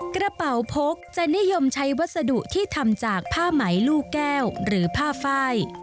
กระเป๋าพกจะนิยมใช้วัสดุที่ทำจากผ้าไหมลูกแก้วหรือผ้าไฟ